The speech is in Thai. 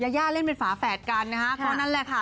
ย่าเล่นเป็นฝาแฝดกันนะฮะก็นั่นแหละค่ะ